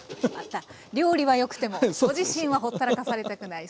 料理はよくてもご自身はほったらかされたくない。